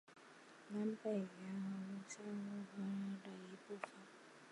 南北边缘为乌兰乌拉山和昆仑山脉的一部分。